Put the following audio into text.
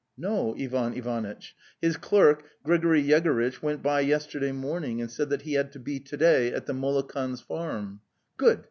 " "No, Ivan Ivanitch. His clerk, Grigory Yegor itch, went by yesterday morning and said that he had to be to day at the Molokans' farm." 'Good!